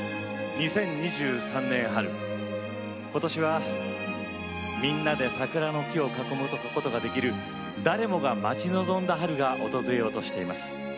２０２３年、春今年はみんなで桜の木を囲める誰もが待ち望んだ春が訪れようとしています。